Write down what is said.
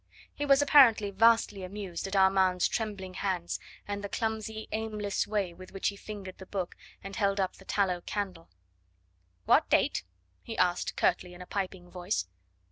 He was apparently vastly amused at Armand's trembling hands, and the clumsy, aimless way with which he fingered the book and held up the tallow candle. "What date?" he asked curtly in a piping voice.